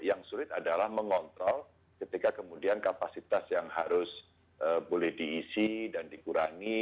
yang sulit adalah mengontrol ketika kemudian kapasitas yang harus boleh diisi dan dikurangi